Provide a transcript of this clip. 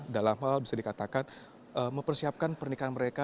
dalam hal bisa dikatakan mempersiapkan pernikahan mereka